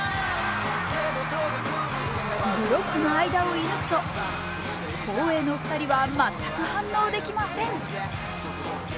ブロックの間を射ぬくと後衛の２人は全く反応できません。